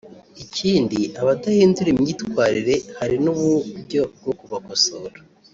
ikindi abadahindura imyitwarire hari n’uburyo bwo kubakosora